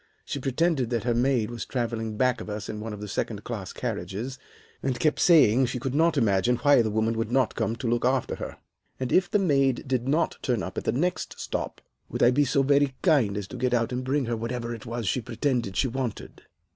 She pretended that her maid was travelling back of us in one of the second class carriages, and kept saying she could not imagine why the woman did not come to look after her, and if the maid did not turn up at the next stop, would I be so very kind as to get out and bring her whatever it was she pretended she wanted.